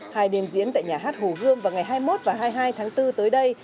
hai đêm diễn tại nhà hát hồ gươm vào ngày hai mươi một và hai mươi hai tháng bốn tới đây